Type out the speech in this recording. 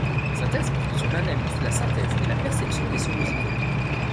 Sa thèse porte sur l'analyse, la synthèse et la perception des sons musicaux.